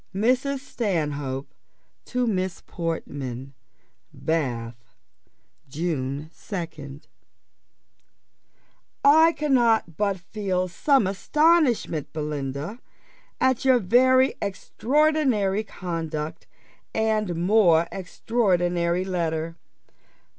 MRS. STANHOPE TO MISS PORTMAN. "Bath, June 2nd. "I cannot but feel some astonishment, Belinda, at your very extraordinary conduct, and more extraordinary letter.